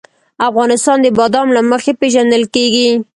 افغانستان د بادام له مخې پېژندل کېږي.